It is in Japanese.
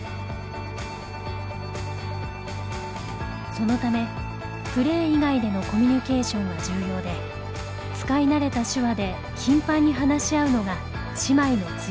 そのためプレー以外でのコミュニケーションが重要で使い慣れた手話で頻繁に話し合うのが姉妹の強みです。